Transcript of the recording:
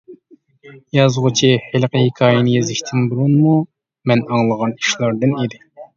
يازغۇچى ھېلىقى ھېكايىنى يېزىشتىن بۇرۇنمۇ مەن ئاڭلىغان ئىشلاردىن ئىدى.